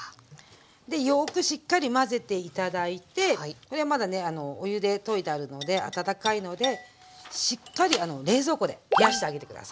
でよくしっかり混ぜて頂いてこれはまだねお湯で溶いてあるので温かいのでしっかり冷蔵庫で冷やしてあげて下さい。